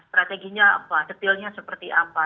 strateginya apa detailnya seperti apa